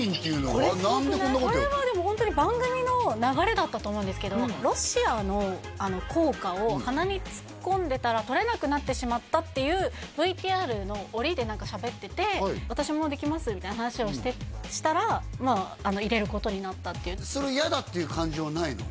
これはホントに番組の流れだったと思うんですけどロシアの硬貨を鼻に突っ込んでたら取れなくなってしまったっていうＶＴＲの降りで何かしゃべっててみたいな話をしたら入れることになったっていうそれ嫌だっていう感情はないの？